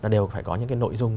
đều phải có những cái nội dung